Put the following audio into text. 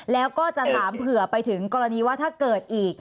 แล้วก็จะถามเผื่อไปถึงกรณีว่าถ้าเกิดอีก